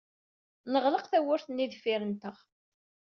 Neɣleq tawwurt-nni deffir-nteɣ.